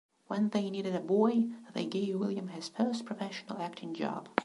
When they needed a boy they gave William his first professional acting job.